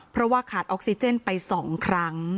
เพราะว่าขาดออกซิเจนไป๒ครั้ง